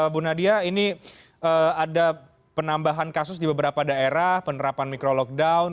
bu nadia ini ada penambahan kasus di beberapa daerah penerapan micro lockdown